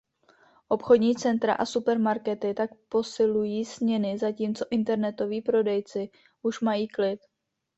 Obchodní centra a supermarkety tak posilují směny, zatímco internetoví prodejci už mají klid.